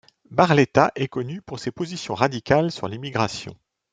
Barletta est connu pour ses positions radicales sur l'immigration.